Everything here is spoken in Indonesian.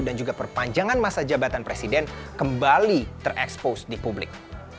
dan juga perpanjangan masa jabatan presiden kembali terekspos di publik